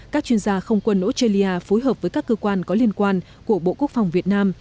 các chuyên gia không quân australia phối hợp với các cơ quan có liên quan của bộ quốc phòng việt nam